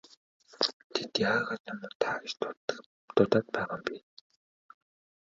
Та яагаад намайг та гэж дуудаад байгаа юм бэ?